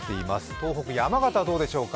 東北・山形はどうでしょうか。